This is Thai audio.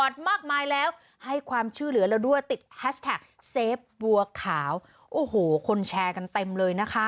รอรอรอรอรอรอรอรอรอรอรอรอรอรอรอรอรอ